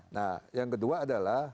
nah yang kedua adalah